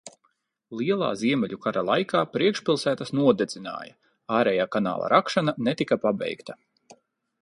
Lielā Ziemeļu kara laikā priekšpilsētas nodedzināja, ārējā kanāla rakšana netika pabeigta.